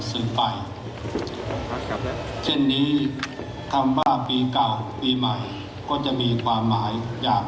ถือว่าชีวิตที่ผ่านมายังมีความเสียหายแก่ตนและผู้อื่น